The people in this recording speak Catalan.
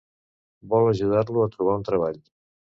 Vol ajudar-lo a trobar un treball.